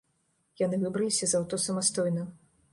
Яны выбраліся з аўто самастойна.